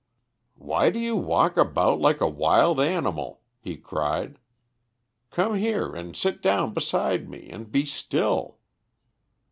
"Why do you walk about like a wild animal?" he cried. "Come here and sit down beside me, and be still."